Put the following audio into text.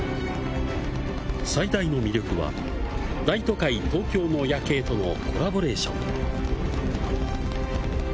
最大の魅力は、大都会、東京の夜景とのコラボレーション。